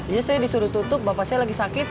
ya saya disuruh tutup bapak saya lagi sakit